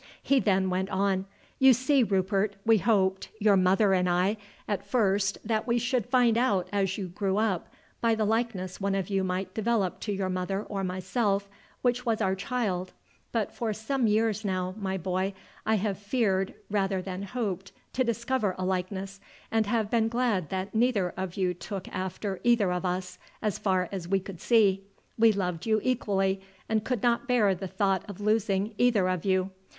He then went on: "You see, Rupert, we hoped, your mother and I, at first that we should find out as you grew up, by the likeness one of you might develop to your mother or myself, which was our child; but for some years now, my boy, I have feared rather than hoped to discover a likeness, and have been glad that neither of you took after either of us, as far as we could see. We loved you equally, and could not bear the thought of losing either of you.